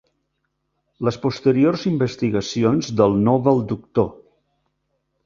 Les posteriors investigacions del Nobel doctor